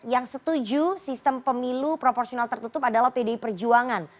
yang setuju sistem pemilu proporsional tertutup adalah pdi perjuangan